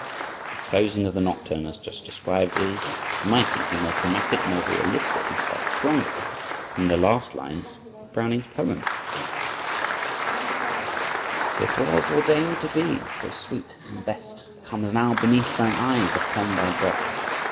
The closing of the nocturne as just described is, to my thinking, more dramatic, more realistic, and far stronger than the last lines of Browning's poem: "It was ordained to be so, sweet! and best Comes now, beneath thine eyes, upon thy breast.